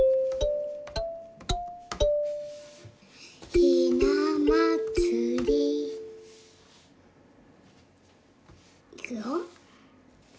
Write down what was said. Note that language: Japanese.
「ひなまつり」いくよ。